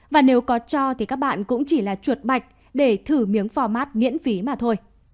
và nếu có cho thì các bạn cũng chỉ là chuột bạch để thử miếng phò mát miễn phí mà thôi